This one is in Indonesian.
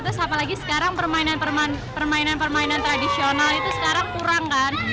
terus apalagi sekarang permainan permainan tradisional itu sekarang kurang kan